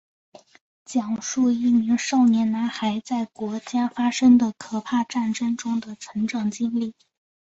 讲述一名少年男孩在国家发生的可怕战争中的成长经历。